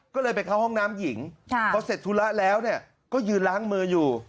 ก็เลยไปเข้าห้องน้ำหญิงพอเสร็จธุระแล้วก็ยืนล้างมืออยู่